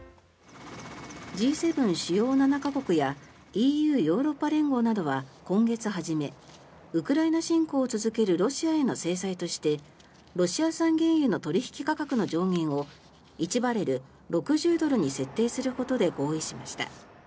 Ｇ７・主要７か国やＥＵ・ヨーロッパ連合などは今月初めウクライナ侵攻を続けるロシアへの制裁としてロシア産原油の取引価格の上限を１バレル＝６０ドルに設定することで合意しました。